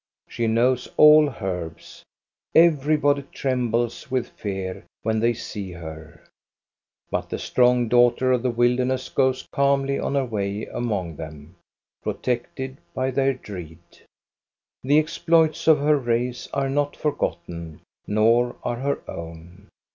She knows all herbs. Everybody trembles with fear when they see her; but the strong daughter of the wilderness goes calmly on her way among them, protected by their dread. The exploits of her race are not ' forgotten, nor are her own.